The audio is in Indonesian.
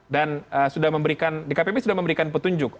dan dkpp sudah memberikan petunjuk